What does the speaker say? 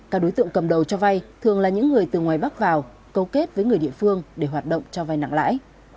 các đối tượng cầm đầu cho vay thường là những người từ ngoài bắc vào câu kết với người địa phương để hoạt động cho vai nặng lãi